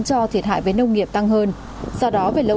cho thị trạng nắng hạn hầu như năm nào cũng xảy ra